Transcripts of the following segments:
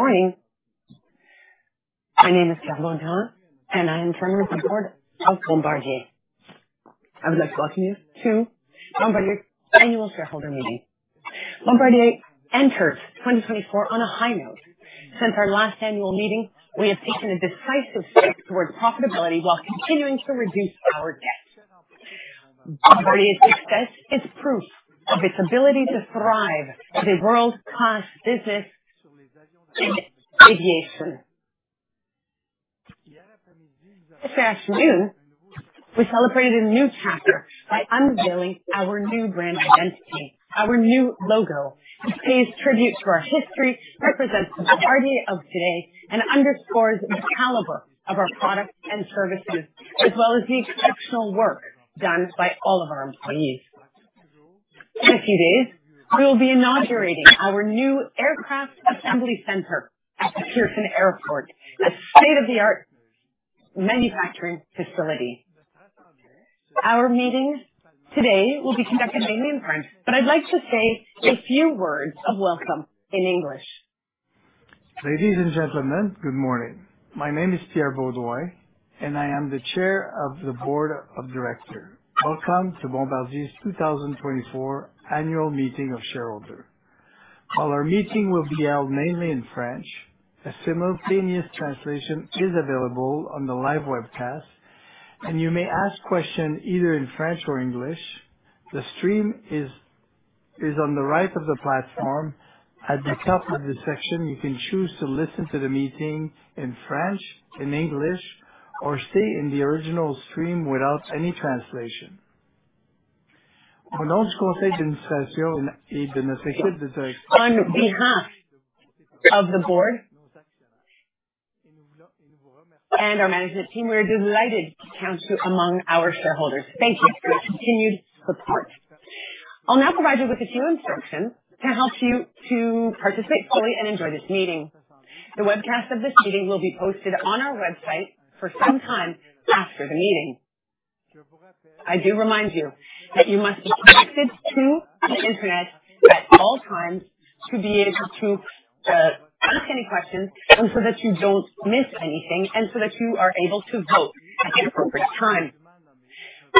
Good morning. My name is Pierre Beaudoin, and I am Chairman of the Board of Bombardier. I would like to welcome you to Bombardier's annual shareholder meeting. Bombardier entered 2024 on a high note. Since our last annual meeting, we have taken a decisive step towards profitability while continuing to reduce our debt. Bombardier's success is proof of its ability to thrive in a world-class business in aviation. This afternoon, we celebrated a new chapter by unveiling our new brand identity, our new logo, which pays tribute to our history, represents the Bombardier of today, and underscores the caliber of our products and services, as well as the exceptional work done by all of our employees. In a few days, we will be inaugurating our new Aircraft Assembly Center at Toronto Pearson International Airport, a state-of-the-art manufacturing facility. Our meeting today will be conducted mainly in French, but I'd like to say a few words of welcome in English. Ladies and gentlemen, good morning. My name is Pierre Beaudoin, and I am the chair of the board of directors. Welcome to Bombardier's 2024 annual meeting of shareholders. While our meeting will be held mainly in French, a simultaneous translation is available on the live webcast, and you may ask questions either in French or English. The stream is on the right of the platform. At the top of the section, you can choose to listen to the meeting in French, in English, or stay in the original stream without any translation. On behalf of the board and our management team, we are delighted to count you among our shareholders. Thank you for your continued support. I'll now provide you with a few instructions to help you to participate fully and enjoy this meeting. The webcast of this meeting will be posted on our website for some time after the meeting. I do remind you that you must be connected to the internet at all times to be able to ask any questions and so that you don't miss anything, and so that you are able to vote at the appropriate time.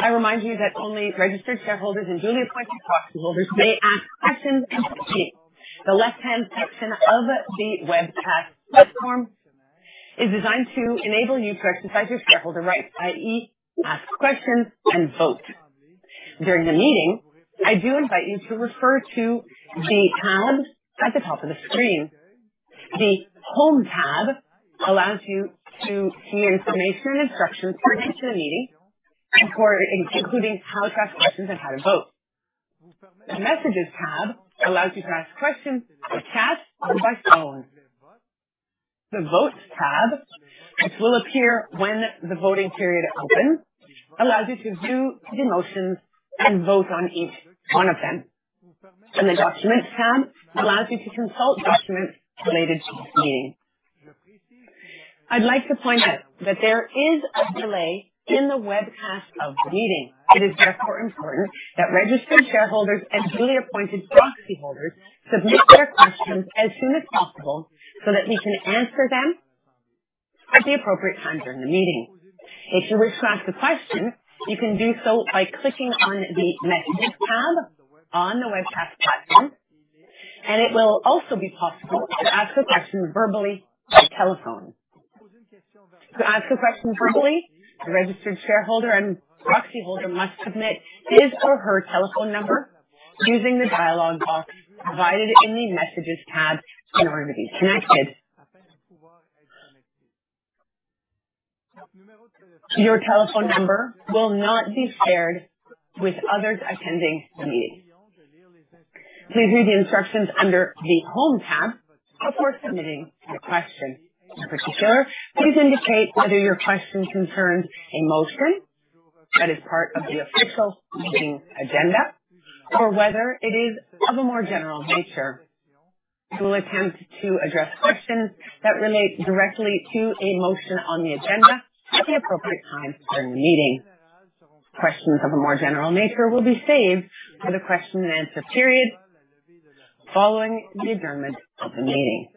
I remind you that only registered shareholders and duly appointed proxy holders may ask questions and vote. The left-hand section of the webcast platform is designed to enable you to exercise your shareholder rights, i.e., ask questions and vote. During the meeting, I do invite you to refer to the tabs at the top of the screen. The Home tab allows you to see information and instructions related to the meeting and for including how to ask questions and how to vote. The Messages tab allows you to ask questions by chat or by phone. The Votes tab, which will appear when the voting period opens, allows you to view the motions and vote on each one of them. The Documents tab allows you to consult documents related to the meeting. I'd like to point out that there is a delay in the webcast of the meeting. It is therefore important that registered shareholders and duly appointed proxy holders submit their questions as soon as possible so that we can answer them at the appropriate time during the meeting. If you wish to ask a question, you can do so by clicking on the Messages tab on the webcast platform, and it will also be possible to ask a question verbally by telephone. To ask a question verbally, the registered shareholder and proxy holder must submit his or her telephone number using the dialogue box provided in the Messages tab in order to be connected. Your telephone number will not be shared with others attending the meeting. Please read the instructions under the Home tab before submitting your question. In particular, please indicate whether your question concerns a motion that is part of the official meeting agenda, or whether it is of a more general nature. We will attempt to address questions that relate directly to a motion on the agenda at the appropriate time during the meeting. Questions of a more general nature will be saved for the question and answer period following the adjournment of the meeting.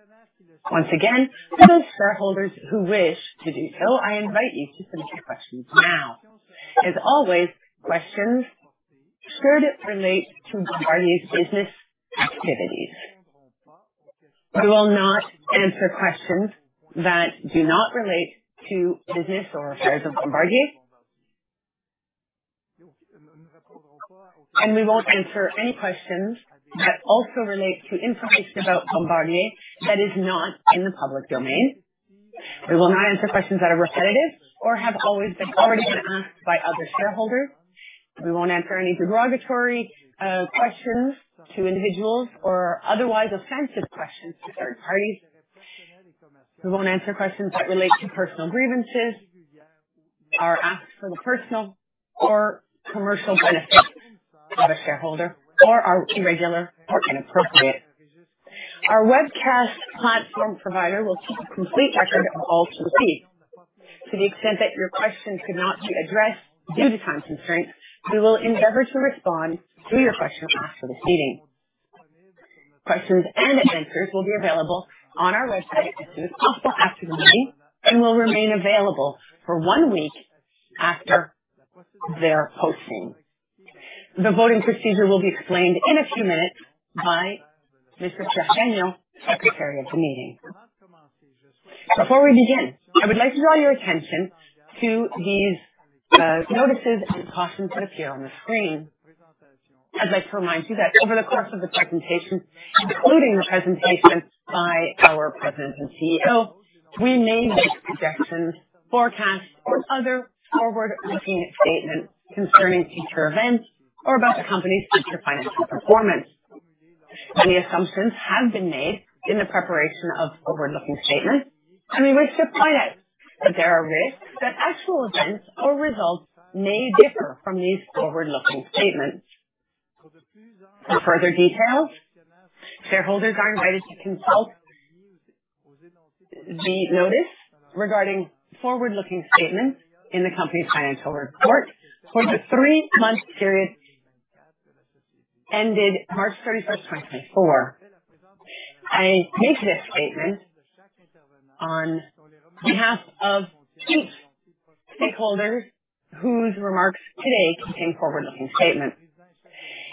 Once again, those shareholders who wish to do so, I invite you to submit your questions now. As always, questions should relate to Bombardier's business activities. We will not answer questions that do not relate to business or affairs of Bombardier. We won't answer any questions that also relate to information about Bombardier that is not in the public domain. We will not answer questions that are repetitive or have already been asked by other shareholders. We won't answer any derogatory questions to individuals or otherwise offensive questions to third parties. We won't answer questions that relate to personal grievances or asked for the personal or commercial benefit of a shareholder or are irregular or inappropriate. Our webcast platform provider will keep a complete record of all proceedings. To the extent that your question could not be addressed due to time constraints, we will endeavor to respond to your question after the meeting. Questions and answers will be available on our website as soon as possible after the meeting and will remain available for one week after their posting. The voting procedure will be explained in a few minutes by Mr. Gagnon, Secretary of the meeting. Before we begin, I would like to draw your attention to these notices and cautions that appear on the screen. I'd like to remind you that over the course of the presentation, including the presentation by our President and CEO, we may make projections, forecasts, or other forward-looking statements concerning future events or about the company's future financial performance. Many assumptions have been made in the preparation of forward-looking statements, and we wish to point out that there are risks that actual events or results may differ from these forward-looking statements. For further details, shareholders are invited to consult the notice regarding forward-looking statements in the company's financial report for the three-month period ended March 31, 2024. I make this statement on behalf of each stakeholder whose remarks today contain forward-looking statements.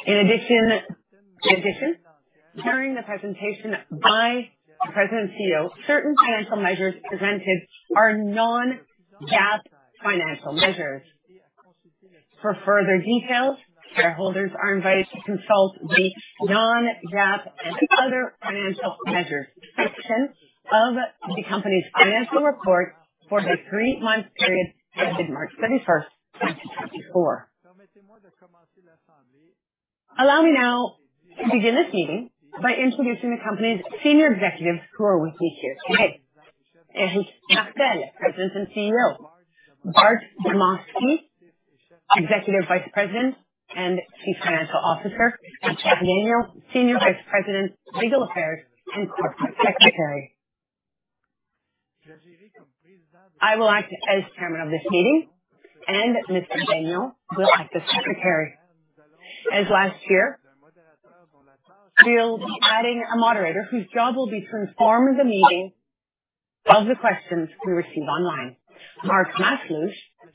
In addition, during the presentation by the President and CEO, certain financial measures presented are non-GAAP financial measures. For further details, shareholders are invited to consult the non-GAAP and other financial measures section of the company's financial report for the three-month period ended March 31, 2024. Allow me now to begin this meeting by introducing the company's senior executives who are with me here today. Éric Martel, President and CEO. Bart Demosky, Executive Vice President and Chief Financial Officer, and Chantal Daniel, Senior Vice President, Legal Affairs and Corporate Secretary. I will act as chairman of this meeting, and Mr. Daniel will act as secretary. As last year, we'll be adding a moderator whose job will be to inform the meeting of the questions we receive online. Mark Masluch,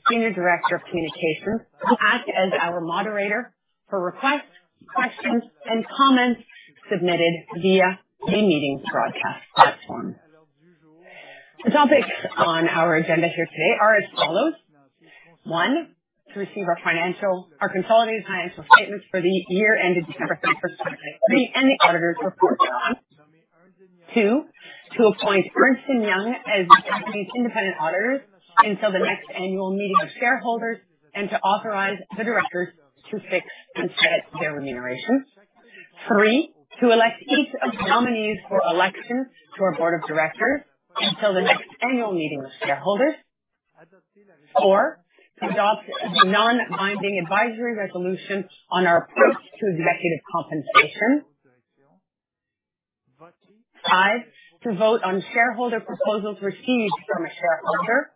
Senior Director of Communications, will act as our moderator for requests, questions, and comments submitted via the meeting's broadcast platform. The topics on our agenda here today are as follows: 1, to receive our consolidated financial statements for the year ended December 31, 2023, and the auditor's report on. 2, to appoint Ernst & Young as the company's independent auditors until the next annual meeting of shareholders and to authorize the directors to fix and set their remuneration.T Three, to elect each of the nominees for election to our board of directors until the next annual meeting of shareholders. Four, to adopt the non-binding advisory resolution on our approach to executive compensation. Five, to vote on shareholder proposals received from a shareholder.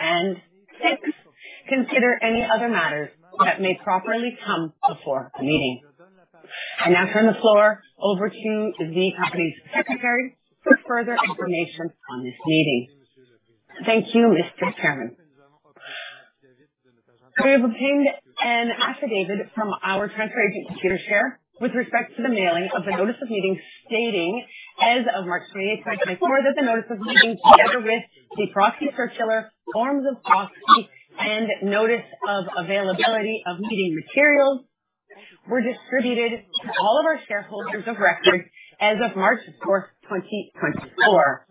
And six, consider any other matters that may properly come before the meeting. I now turn the floor over to the company's secretary for further information on this meeting. Thank you, Mr. Chairman. We have obtained an affidavit from our transfer agent, Computershare, with respect to the mailing of the Notice of Meetings, stating as of March 28, 2024, that the Notice of Meeting, together with the proxy circular, forms of proxy, and notice of availability of meeting materials, were distributed to all of our shareholders of record as of March 4th, 2024.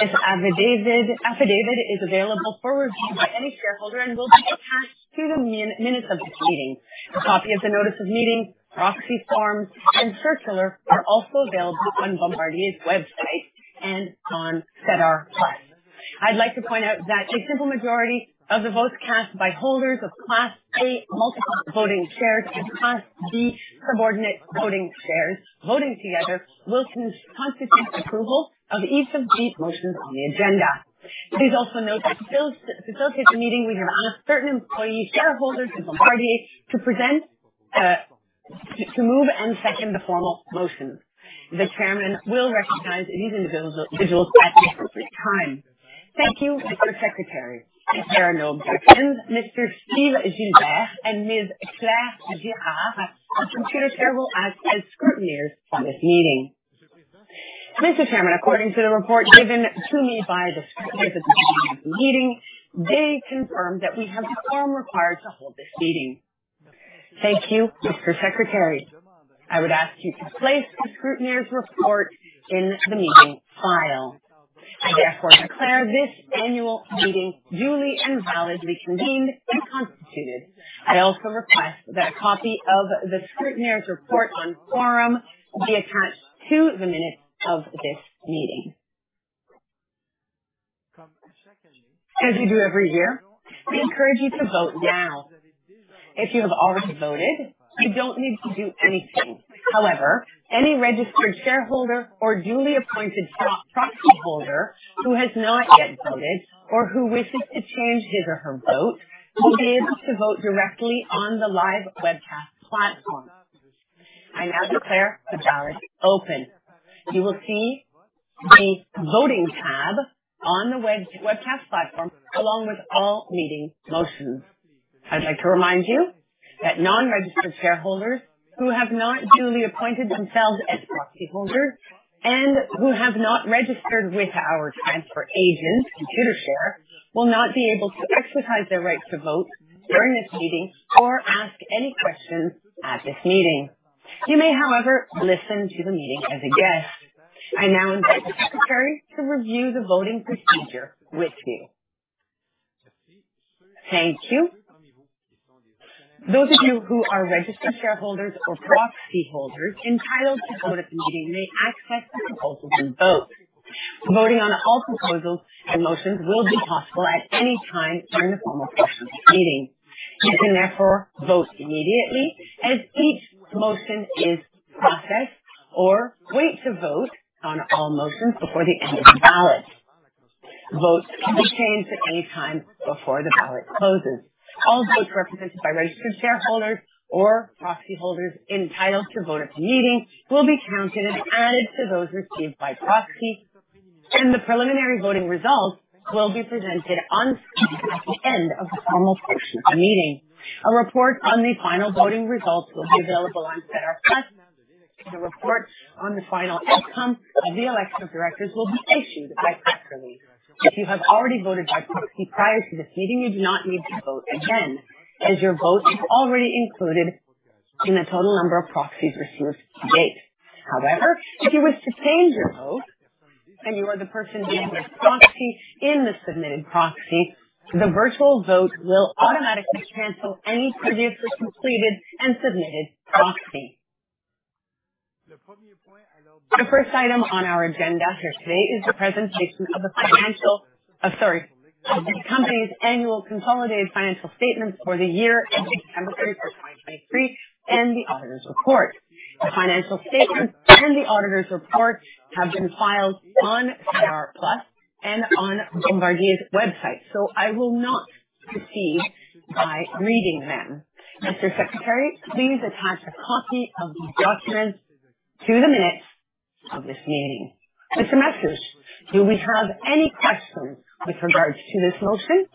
This affidavit is available for review by any shareholder and will be attached to the minutes of this meeting. A copy of the notice of meeting, proxy forms, and circular are also available on Bombardier's website and on SEDAR+. I'd like to point out that a simple majority of the votes cast by holders of Class A multiple voting shares and Class B subordinate voting shares, voting together, will constitute approval of each of these motions on the agenda. Please also note that to facilitate the meeting, we have asked certain employee shareholders of Bombardier to present, to move and second the formal motions. The Chairman will recognize these individuals at the appropriate time. Thank you, Mr. Secretary. If there are no objections, Mr. Steve Gilbert and Ms. Claire Girard from Computershare will act as scrutineers for this meeting. Mr. Chairman, according to the report given to me by the scrutineers at the beginning of the meeting, they confirmed that we have the quorum required to hold this meeting. Thank you, Mr. Secretary. I would ask you to place the scrutineers' report in the meeting file. I therefore declare this annual meeting duly and validly convened and constituted. I also request that a copy of the scrutineers' report on quorum be attached to the minutes of this meeting. As we do every year, we encourage you to vote now. If you have already voted, you don't need to do anything. However, any registered shareholder or duly appointed proxy holder who has not yet voted or who wishes to change his or her vote will be able to vote directly on the live webcast platform. I now declare the ballot open. You will see a voting tab on the webcast platform, along with all meeting motions. I'd like to remind you that non-registered shareholders who have not duly appointed themselves as proxy holders and who have not registered with our transfer agent, Computershare, will not be able to exercise their right to vote during this meeting or ask any questions at this meeting. You may, however, listen to the meeting as a guest. I now invite the secretary to review the voting procedure with you. Thank you. Those of you who are registered shareholders or proxy holders entitled to vote at the meeting may access the proposal and vote. Voting on all proposals and motions will be possible at any time during the formal portion of the meeting. You can therefore vote immediately as each motion is processed, or wait to vote on all motions before the end of the ballot. Votes can be changed at any time before the ballot closes. All votes represented by registered shareholders or proxy holders entitled to vote at the meeting will be counted and added to those received by proxy, and the preliminary voting results will be presented at the end of the formal portion of the meeting. A report on the final voting results will be available on SEDAR+. The report on the final outcome of the election of directors will be issued by press release. If you have already voted by proxy prior to this meeting, you do not need to vote again, as your vote is already included in the total number of proxies received to date. However, if you wish to change your vote and you are the person named as proxy in the submitted proxy, the virtual vote will automatically cancel any previously completed and submitted proxy. The first item on our agenda for today is the presentation of the financial... Oh, sorry, the company's annual consolidated financial statements for the year ending December 31st, 2023, and the auditor's report. The financial statements and the auditor's report have been filed on SEDAR+ and on Bombardier's website, so I will not proceed by reading them. Mr. Secretary, please attach a copy of these documents to the minutes of this meeting. Mr. Masluch, do we have any questions with regards to this motion?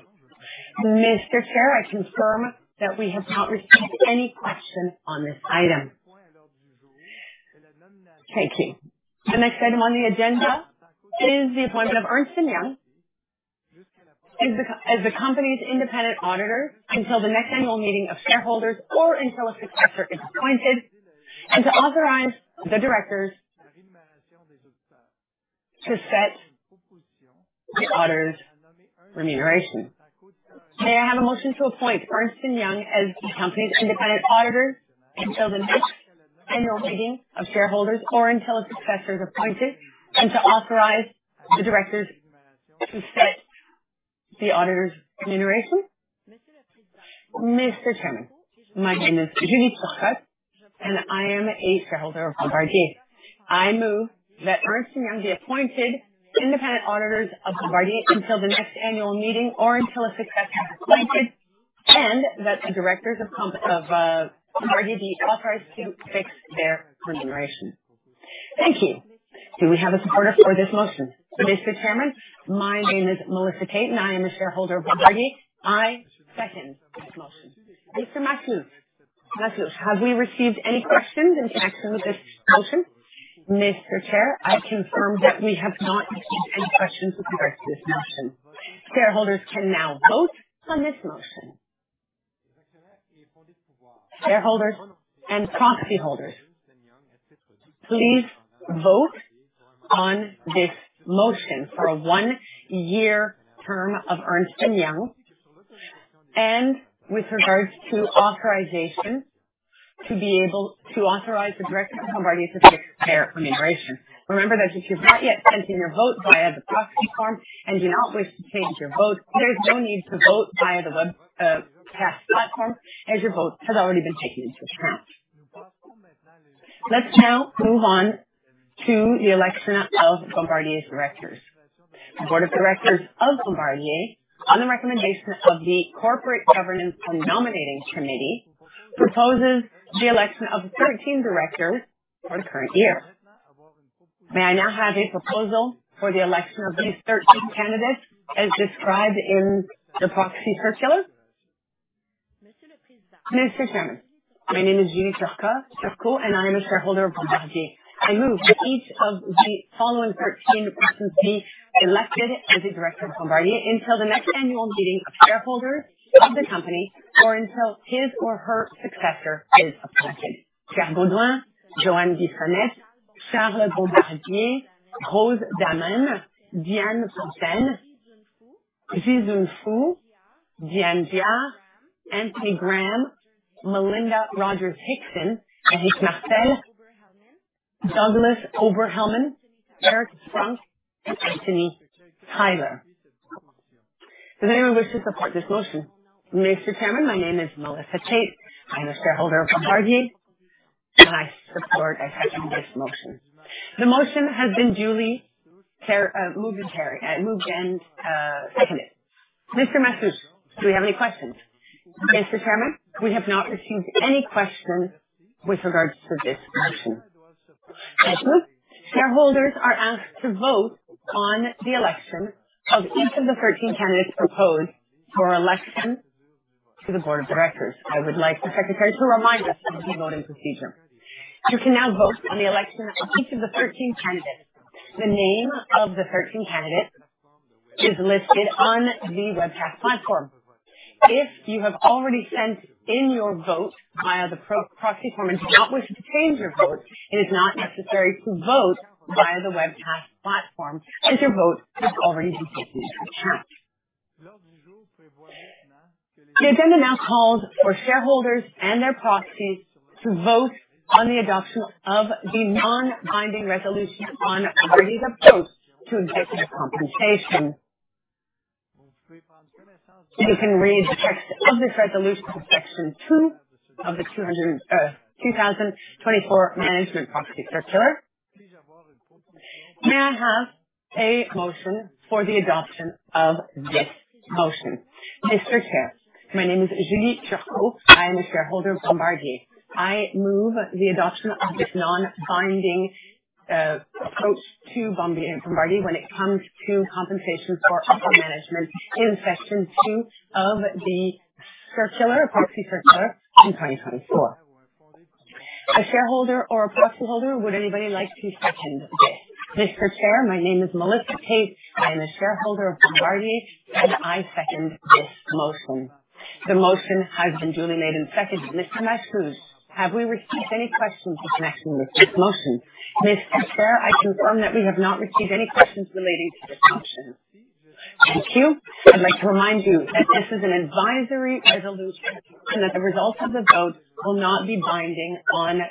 Mr. Chair, I confirm that we have not received any questions on this item. Thank you. The next item on the agenda is the appointment of Ernst & Young as the company's independent auditor until the next annual meeting of shareholders, or until a successor is appointed, and to authorize the directors to set the auditor's remuneration. May I have a motion to appoint Ernst & Young as the company's independent auditor until the next annual meeting of shareholders, or until a successor is appointed, and to authorize the directors to set the auditor's remuneration? Mr. Chairman, my name is Julie Turcotte, and I am a shareholder of Bombardier. I move that Ernst & Young be appointed independent auditors of Bombardier until the next annual meeting or until a successor is appointed, and that the directors of Bombardier be authorized to fix their remuneration. Thank you. Do we have a supporter for this motion? Mr. Chairman, my name is Melissa Cate, and I am a shareholder of Bombardier. I second this motion. Mr. Masluch, have we received any questions in relation to this motion? Mr. Chair, I confirm that we have not received any question s with regards to this motion. Shareholders can now vote on this motion. Shareholders and proxy holders, please vote on this motion for a one-year term of Ernst & Young, and with regards to authorization, to be able to authorize the directors of Bombardier to fix their remuneration. Remember that if you've not yet sent in your vote via the proxy form and do not wish to change your vote, there's no need to vote via the web cast platform, as your vote has already been taken into account. Let's now move on to the election of Bombardier's directors. The board of directors of Bombardier, on the recommendation of the Corporate Governance and Nominating Committee, proposes the election of 13 directors for the current year. May I now have a proposal for the election of these 13 candidates, as described in the proxy circular? Mr. Chairman, my name is Julie Turcotte, and I am a shareholder of Bombardier. I move that each of the following 13 persons be elected as a director of Bombardier until the next annual meeting of shareholders of the company or until his or her successor is appointed: Pierre Beaudoin, Joanne Bissonnette, Charles Bombardier, Todd Citron, [Remove] or Diane Giard, Jixun Foo, Diane Giard, Anthony Graham, Melinda Rogers-Hixon, Éric Martel, Douglas Oberhelman, Eric Sprunk, and Antony Tyler. Does anyone wish to support this motion? Mr. Chairman, my name is Melissa Cate. I am a shareholder of Bombardier, and I support and second this motion. The motion has been duly moved and seconded. Mr. Masluch, do we have any questions? Mr. Chairman, we have not received any questions with regards to this motion. Thank you. Shareholders are asked to vote on the election of each of the 13 candidates proposed for election to the board of directors. I would like the secretary to remind us of the voting procedure. You can now vote on the election of each of the 13 candidates. The name of the 13 candidates is listed on the webcast platform. If you have already sent in your vote via the proxy form and do not wish to change your vote, it is not necessary to vote via the webcast platform, as your vote has already been taken into account. The agenda now calls for shareholders and their proxies to vote on the adoption of the non-binding resolution on Bombardier's approach to executive compensation. You can read the text of this resolution in section two of the 2024 management proxy circular. May I have a motion for the adoption of this motion? Mr. Chair, my name is Julie Turcotte. I am a shareholder of Bombardier. I move the adoption of this non-binding approach to Bombardier when it comes to compensation for upper management in section two of the proxy circular in 2024. A shareholder or a proxyholder, would anybody like to second this? Mr. Chair, my name is Melissa Cate. I am a shareholder of Bombardier, and I second this motion. The motion has been duly made and seconded. Mr. Masluch, have we received any questions with respect to this motion? Mr. Chair, I confirm that we have not received any questions relating to this motion. Thank you. I'd like to remind you that this is a non-binding resolution and that the results of the vote will not be binding on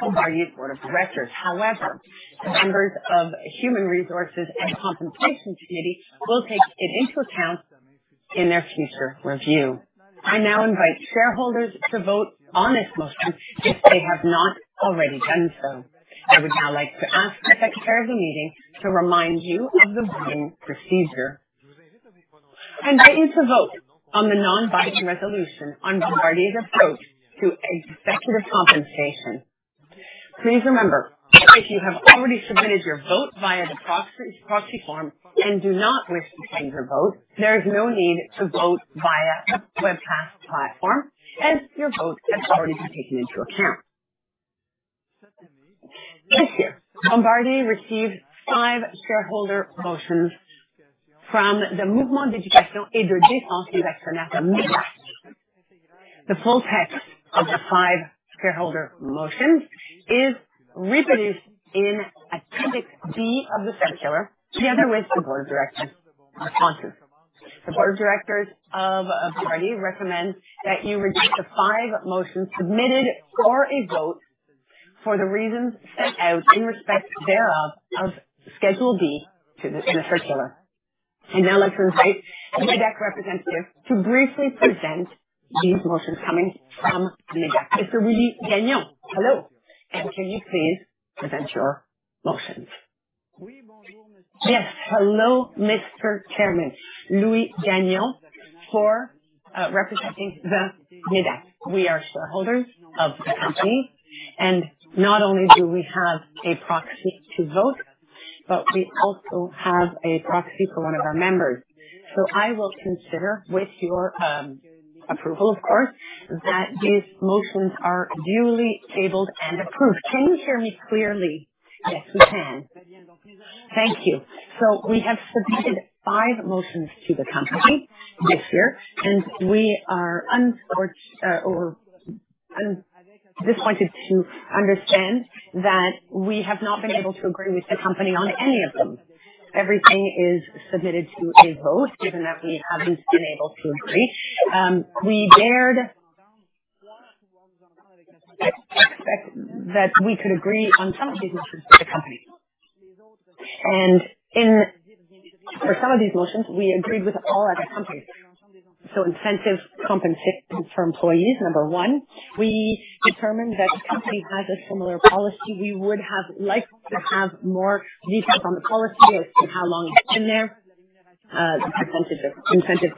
Bombardier's board of directors. However, the members of Human Resources and Compensation Committee will take it into account in their future review. I now invite shareholders to vote on this motion if they have not already done so. I would now like to ask the secretary of the meeting to remind you of the voting procedure. I invite you to vote on the non-binding resolution on Bombardier's approach to executive compensation. Please remember, if you have already submitted your vote via the proxy, proxy form and do not wish to change your vote, there is no need to vote via the webcast platform, as your vote has already been taken into account. This year, Bombardier received five shareholder motions from the Mouvement d'éducation et de défense des actionnaires, MÉDAC. The full text of the five shareholder motions is reproduced in Appendix B of the circular, together with the board of directors' responses. The board of directors of Bombardier recommend that you reject the five motions submitted for a vote for the reasons set out in respect thereof of Schedule B to the, in the circular. I'd now like to invite the MÉDAC representative to briefly present these motions coming from MÉDAC. Mr. Louis Gagnon, hello, and can you please present your motions? Yes, hello, Mr. Chairman. Louis Gagnon, representing the MÉDAC. We are shareholders of the company, and not only do we have a proxy to vote, but we also have a proxy for one of our members. So I will consider, with your approval, of course, that these motions are duly tabled and approved. Can you hear me clearly? Yes, we can. Thank you. So we have submitted five motions to the company this year, and we are disappointed to understand that we have not been able to agree with the company on any of them. Everything is submitted to a vote, given that we haven't been able to agree. We dared to expect that we could agree on some of these motions with the company. And for some of these motions, we agreed with all other companies. So incentive compensation for employees, number one, we determined that the company has a similar policy. We would have liked to have more detail on the policy as to how long it's been there, the percentage of incentive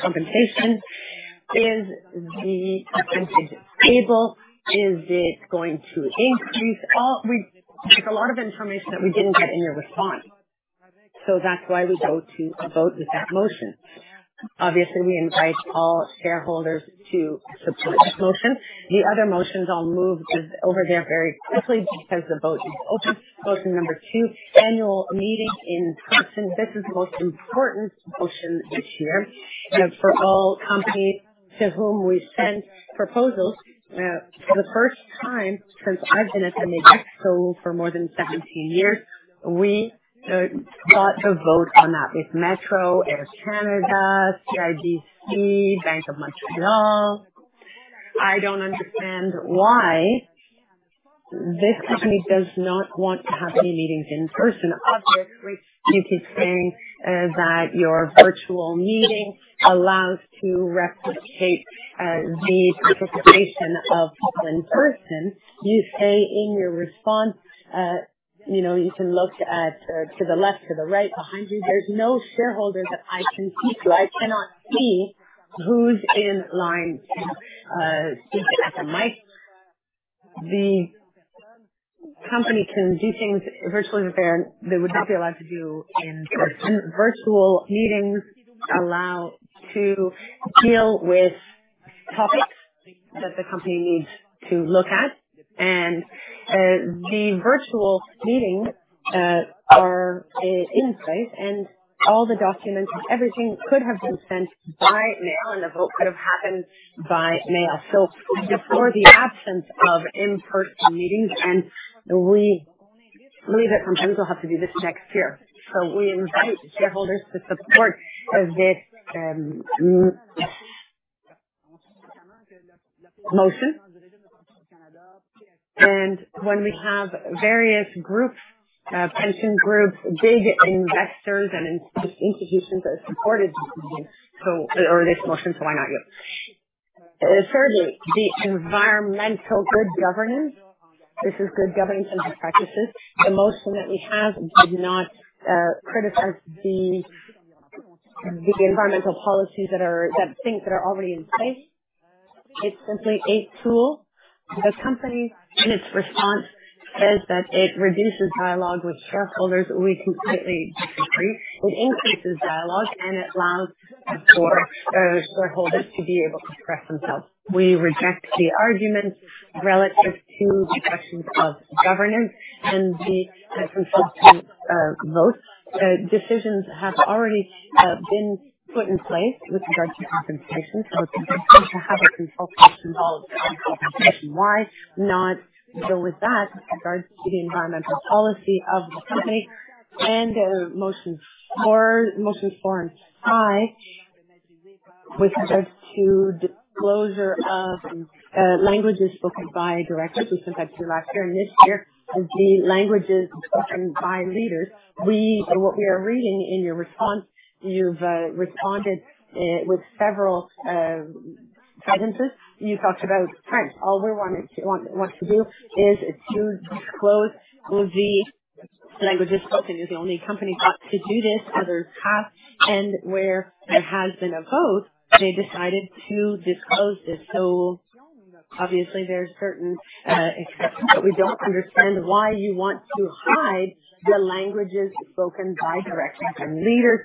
compensation. Is the percentage stable? Is it going to increase? There's a lot of information that we didn't get in their response, so that's why we go to a vote with that motion. Obviously, we invite all shareholders to support this motion. The other motions I'll move just over there very quickly because the vote is open. Motion number two, annual meeting in person. This is the most important motion this year, for all companies to whom we sent proposals. For the first time since I've been at MÉDAC, so for more than 17 years, we got a vote on that with Metro, Air Canada, CIBC, Bank of Montreal. I don't understand why... This company does not want to have any meetings in person. Obviously, you keep saying that your virtual meeting allows to replicate the participation of people in person. You say in your response, you know, you can look at, to the left, to the right, behind you. There's no shareholder that I can see. So I cannot see who's in line to speak at the mic. The company can do things virtually that they would not be allowed to do in person. Virtual meetings allow to deal with topics that the company needs to look at, and the virtual meetings are in place, and all the documents and everything could have been sent by mail, and the vote could have happened by mail. So we support the absence of in-person meetings, and we believe that companies will have to do this next year. So we invite shareholders to support this motion. And when we have various groups, pension groups, big investors, and institutions that supported this meeting, or this motion, so why not you? Thirdly, the environmental good governance. This is good governance and best practices. The motion that we have does not criticize the environmental policies that things that are already in place. It's simply a tool. The company, in its response, says that it reduces dialogue with shareholders. We completely disagree. It increases dialogue, and it allows for, shareholders to be able to express themselves. We reject the arguments relative to the questions of governance and the consulting, vote. Decisions have already been put in place with regard to compensation, so it's important to have a consultation involved on compensation. Why not go with that with regards to the environmental policy of the company and motions for on high with regards to disclosure of, languages spoken by directors, we sent back to last year and this year, the languages spoken by leaders. What we are reading in your response, you've responded with several sentences. You talked about French. All we want to do is to disclose the languages spoken. We are the only company got to do this; others have, and where there has been a vote, they decided to disclose this. So obviously, there's certain exceptions, but we don't understand why you want to hide the languages spoken by directors and leaders.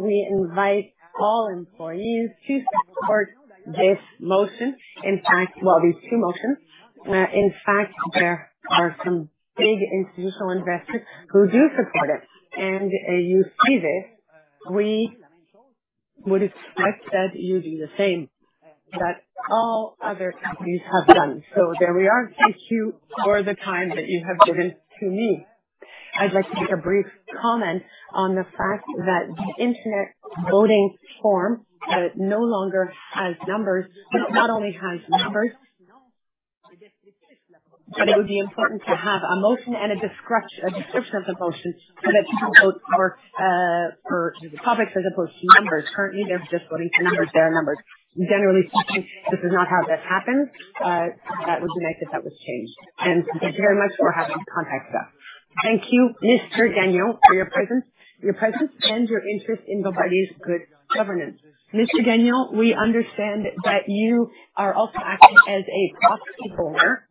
We invite all employees to support this motion. In fact, well, these two motions. In fact, there are some big institutional investors who do support it, and you see this. We would expect that you do the same, that all other companies have done. So there we are. Thank you for the time that you have given to me. I'd like to make a brief comment on the fact that the internet voting form no longer has numbers. It not only has numbers, but it would be important to have a motion and a description of the motion, so that you can vote for the topics as opposed to numbers. Currently, they're just voting for numbers. There are numbers. Generally speaking, this is not how this happens, that would be nice if that was changed. And thank you very much for having contacted us. Thank you, Mr. Daniel, for your presence, your presence and your interest in Bombardier's good governance. Mr. Daniel, we understand that you are also acting as a proxy holder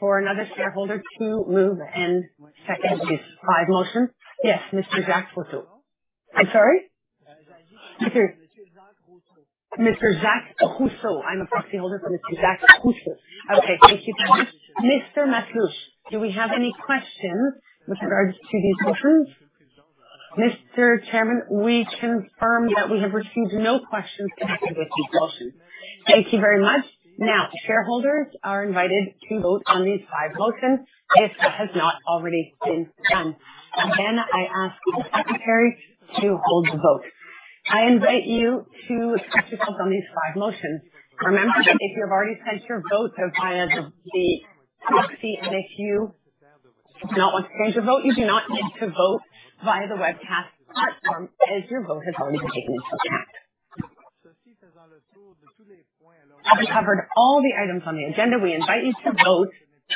for another shareholder to move and second these five motions. Yes, Mr. Jacques Rousseau. I'm sorry? Mr. Zach Russo. Mr. Zach Russo. I'm a proxy holder for Mr. Zach Russo. Okay, thank you very much. Mr. Masluch, do we have any questions with regards to these motions? Mr. Chairman, we confirm that we have received no questions regarding these motions. Thank you very much. Now, shareholders are invited to vote on these five motions if that has not already been done. Again, I ask the secretary to hold the vote. I invite you to express yourselves on these five motions. Remember, if you have already placed your vote via the, the proxy, and if you do not want to vote, you do not need to vote via the webcast platform, as your vote has already been taken. Having covered all the items on the agenda, we invite you to vote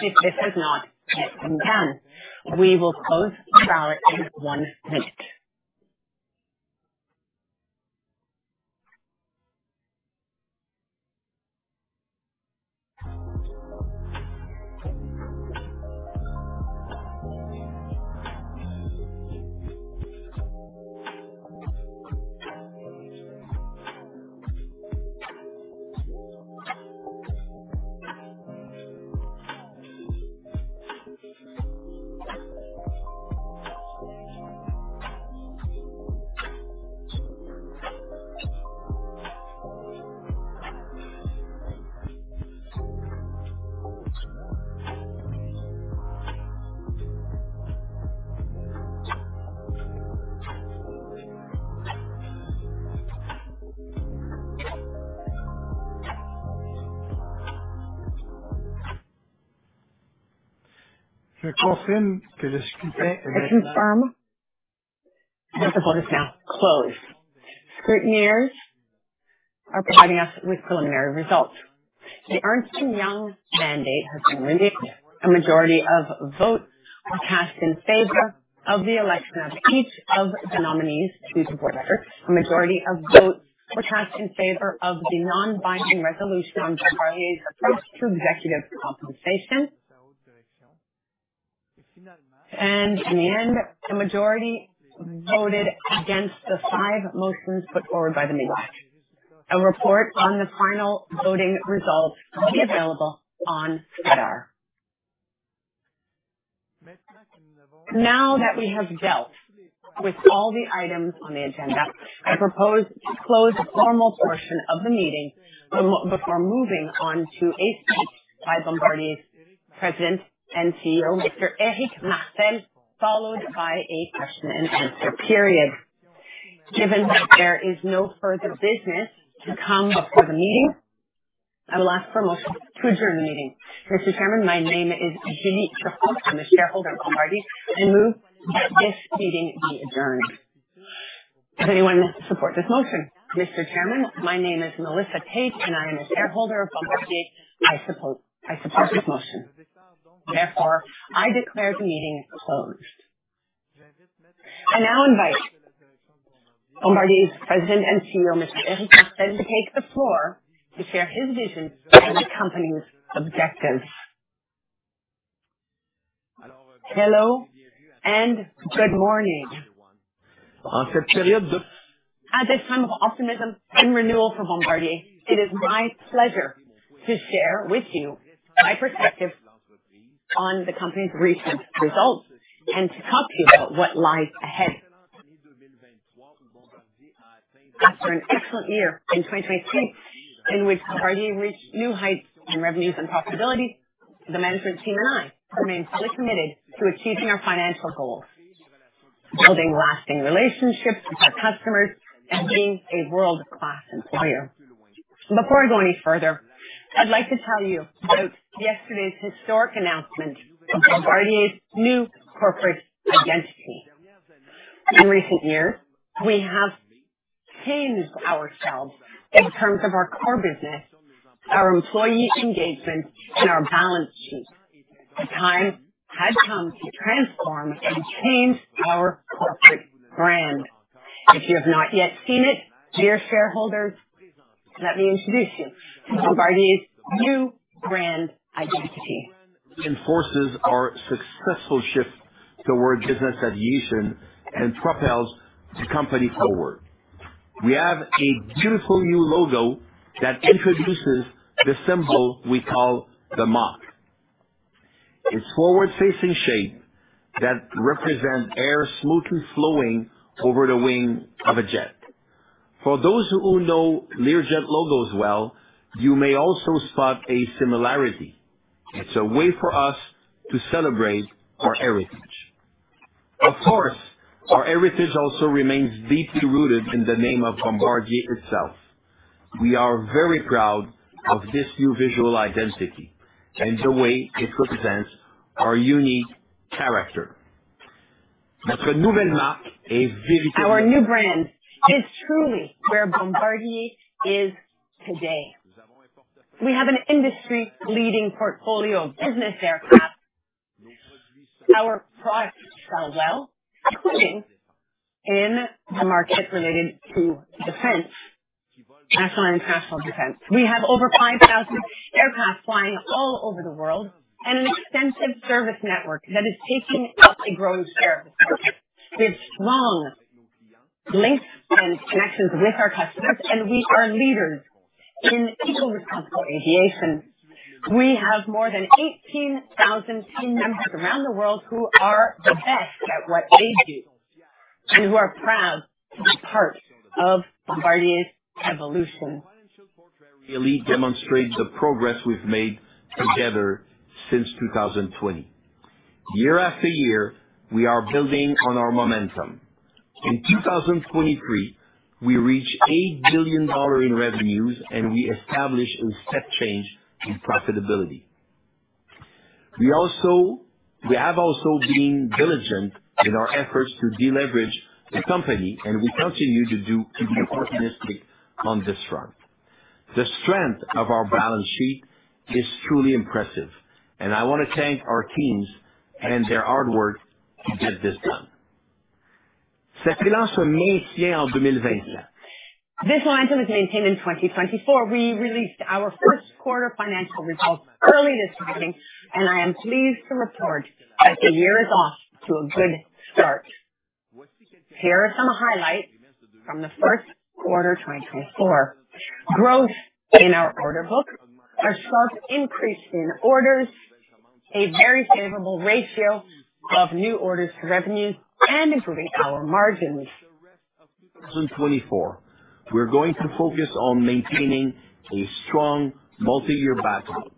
if this has not yet been done. We will close the ballot in one minute. I confirm that the poll is now closed. Scrutineers are providing us with preliminary results. The Ernst & Young mandate has been vindicated. A majority of votes were cast in favor of the election of each of the nominees to the board. A majority of votes were cast in favor of the non-binding resolution on Bombardier's approach to executive compensation. And in the end, the majority voted against the five motions put forward by MÉDAC. A report on the final voting results will be available on SEDAR. Now that we have dealt with all the items on the agenda, I propose to close the formal portion of the meeting before moving on to a speech by Bombardier's President and CEO, Mr. Éric Martel, followed by a question and answer period. Given that there is no further business to come before the meeting, I will ask for a motion to adjourn the meeting. Mr. Chairman, my name is Jeanne Trudeau. I'm a shareholder of Bombardier, and I move that this meeting be adjourned. Does anyone want to support this motion? Mr. Chairman, my name is Melissa Cate, and I am a shareholder of Bombardier. I support this motion. Therefore, I declare the meeting closed. I now invite Bombardier's President and CEO, Mr. Éric Martel, to take the floor to share his vision for the company's objectives. Hello and good morning. At this time of optimism and renewal for Bombardier, it is my pleasure to share with you my perspective on the company's recent results and to talk to you about what lies ahead. After an excellent year in 2023, in which Bombardier reached new heights in revenues and profitability, the management team and I remain fully committed to achieving our financial goals, building lasting relationships with our customers, and being a world-class employer. Before I go any further, I'd like to tell you about yesterday's historic announcement of Bombardier's new corporate identity. In recent years, we have changed ourselves in terms of our core business, our employee engagement, and our balance sheet. The time had come to transform and change our corporate brand. If you have not yet seen it, dear shareholders, let me introduce you to Bombardier's new brand identity. Reinforces our successful shift toward business aviation and propels the company forward. We have a beautiful new logo that introduces the symbol we call the Mach. Its forward-facing shape that represents air smoothly flowing over the wing of a jet. For those who know Learjet logos well, you may also spot a similarity. It's a way for us to celebrate our heritage. Of course, our heritage also remains deeply rooted in the name of Bombardier itself. We are very proud of this new visual identity and the way it represents our unique character. Our new brand is truly where Bombardier is today. We have an industry-leading portfolio of business aircraft. Our products sell well, including in the market related to defense and national defense. We have over 5,000 aircraft flying all over the world and an extensive service network that is taking up a growing share of the business. With strong links and connections with our customers, and we are leaders in eco-responsible aviation. We have more than 18,000 team members around the world who are the best at what they do and who are proud to be part of Bombardier's evolution. Really demonstrates the progress we've made together since 2020. Year after year, we are building on our momentum. In 2023, we reached $8 billion in revenues, and we established a step change in profitability. We have also been diligent in our efforts to deleverage the company, and we continue to do, to be optimistic on this front. The strength of our balance sheet is truly impressive, and I want to thank our teams and their hard work to get this done. This momentum is maintained in 2024. We released our first quarter financial results early this morning, and I am pleased to report that the year is off to a good start. Here are some highlights from the first quarter, 2024. Growth in our order book, a sharp increase in orders, a very favorable ratio of new orders to revenue, and improving our margins. 2024, we're going to focus on maintaining a strong multiyear backlog,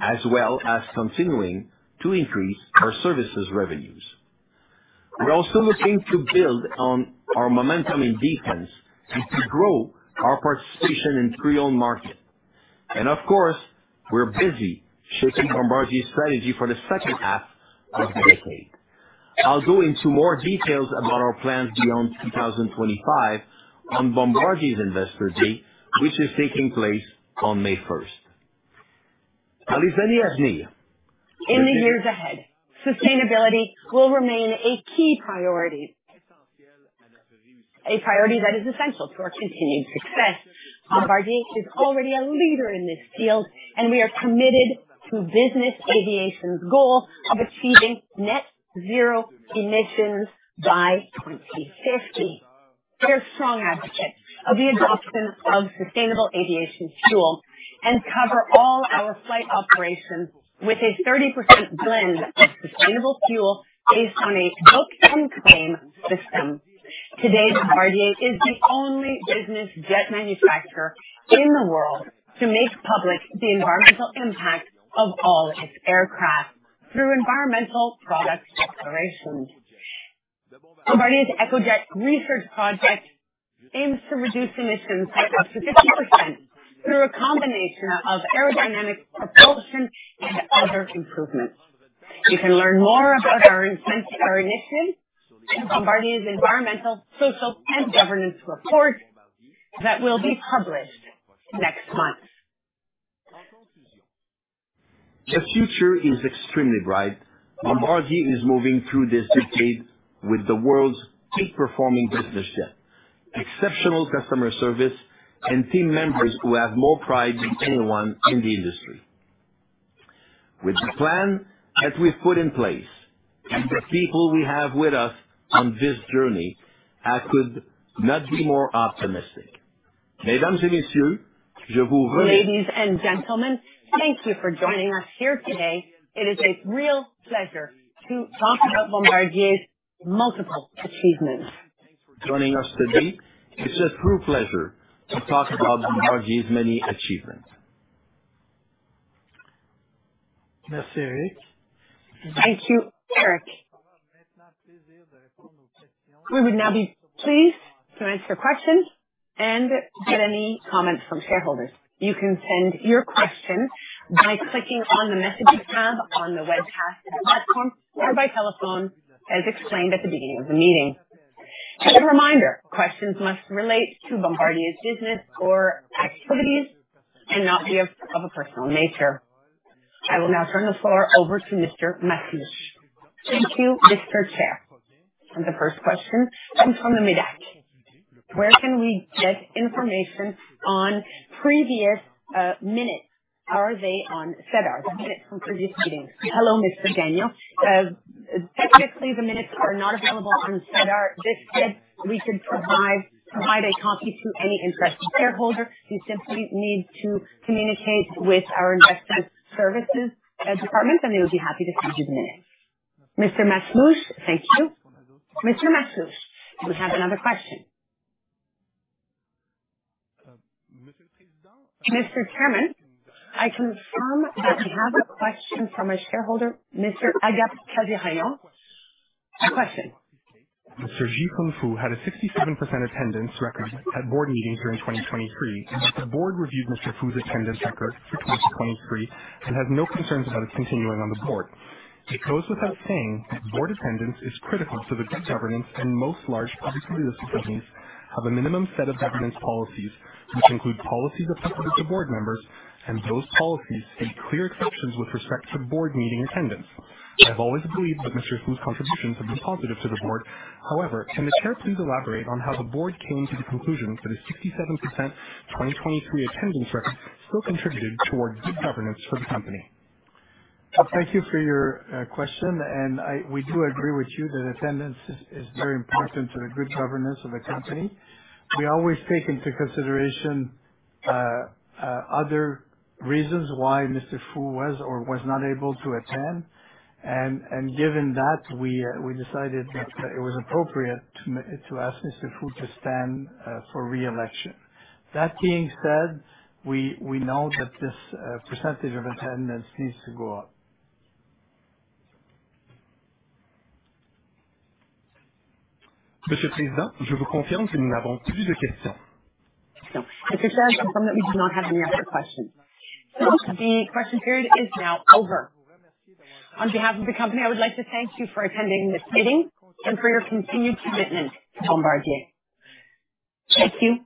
as well as continuing to increase our services revenues... We're also looking to build on our momentum in defense and to grow our participation in pre-owned market. And of course, we're busy shaping Bombardier's strategy for the second half of the decade. I'll go into more details about our plans beyond 2025 on Bombardier's Investor Day, which is taking place on May first. In the years ahead, sustainability will remain a key priority. A priority that is essential to our continued success. Bombardier is already a leader in this field, and we are committed to business aviation's goal of achieving net zero emissions by 2050. We are strong advocates of the adoption of sustainable aviation fuel and cover all our flight operations with a 30% blend of sustainable fuel based on a book-and-claim system. Today, Bombardier is the only business jet manufacturer in the world to make public the environmental impact of all its aircraft through Environmental Product Declarations. Bombardier's EcoJet research project aims to reduce emissions by up to 50% through a combination of aerodynamic propulsion and other improvements. You can learn more about our initiative in Bombardier's environmental, social, and governance report that will be published next month. The future is extremely bright. Bombardier is moving through this decade with the world's top-performing business jet, exceptional customer service, and team members who have more pride than anyone in the industry. With the plan that we've put in place and the people we have with us on this journey, I could not be more optimistic. Ladies and gentlemen, thank you for joining us here today. It is a real pleasure to talk about Bombardier's multiple achievements. Joining us today is a true pleasure to talk about Bombardier's many achievements. Thank you, Éric. We would now be pleased to answer questions and get any comments from shareholders. You can send your questions by clicking on the Messages tab on the webcast platform or by telephone, as explained at the beginning of the meeting. As a reminder, questions must relate to Bombardier's business or activities and not be of a personal nature. I will now turn the floor over to Mr. Masluch. Thank you, Mr. Chair. The first question comes from MÉDAC. Where can we get information on previous minutes? Are they on SEDAR, the minutes from previous meetings? Hello, Mr. Daniel. Technically, the minutes are not available on SEDAR. That said, we could provide a copy to any interested shareholder. You simply need to communicate with our investor services department, and they will be happy to send you the minutes. Mr. Masluch, thank you. Mr. Masluch, we have another question. Mr. Chairman, I confirm that you have a question from a shareholder, Mr. Agatha Rayon. A question. Mr. Ji-Xun Foo had a 67% attendance record at board meetings during 2023. The board reviewed Mr. Foo's attendance record for 2023 and has no concerns about his continuing on the board. It goes without saying that board attendance is critical to the good governance, and most large publicly listed companies have a minimum set of governance policies, which include policies applicable to board members, and those policies state clear exceptions with respect to board meeting attendance. I've always believed that Mr. Foo's contributions have been positive to the board. However, can the Chair please elaborate on how the board came to the conclusion that his 67% 2023 attendance record still contributed towards good governance for the company? Thank you for your question, and we do agree with you that attendance is very important to the good governance of the company. We always take into consideration other reasons why Mr. Foo was or was not able to attend. And given that, we decided that it was appropriate to ask Mr. Foo to stand for re-election. That being said, we know that this percentage of attendance needs to go up. The Chair confirms that we do not have any other questions. The question period is now over. On behalf of the company, I would like to thank you for attending this meeting and for your continued commitment to Bombardier. Thank you.